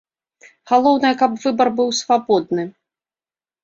Галоўнае, каб выбар быў свабодны.